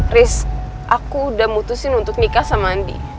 chris aku udah mutusin untuk nikah sama andi